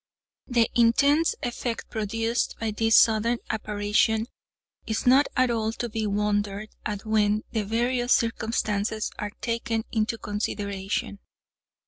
The intense effect produced by this sudden apparition is not at all to be wondered at when the various circumstances are taken into consideration.